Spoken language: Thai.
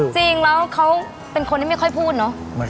จริงแล้วเขาเป็นคนที่ไม่ค่อยพูดเนอะ